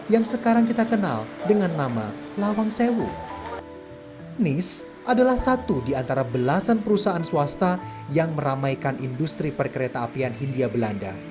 yang meramaikan industri perkereta apian hindia belanda